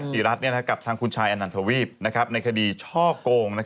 จีรัฐกับทางคุณชายอนันทวีปในคดีช่อโกง